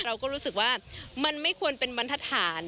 เราก็รู้สึกว่ามันไม่ควรเป็นบรรทฐาน